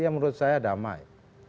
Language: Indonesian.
yang menurut saya damai